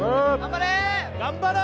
・頑張れ！